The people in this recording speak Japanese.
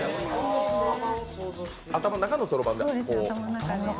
頭の中のそろばんで。